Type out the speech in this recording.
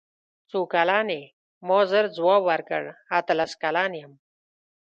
څو کلن یې ما ژر ځواب ورکړ اتلس کلن یم.